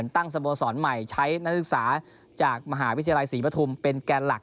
สโมสรใหม่ใช้นักศึกษาจากมหาวิทยาลัยศรีปฐุมเป็นแกนหลัก